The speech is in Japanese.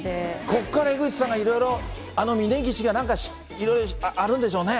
ここから江口さんがいろいろ、あの峰岸が、いろいろあるんでしょうね。